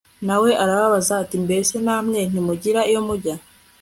na we arababaza ati “mbese namwe ntimugira iyo mujya